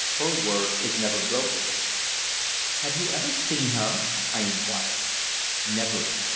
Her word is never broken." "Have you ever seen her?" I inquired. "Never.